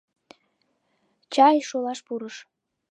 Чай шолаш пурыш.